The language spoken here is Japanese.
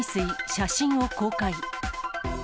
写真を公開。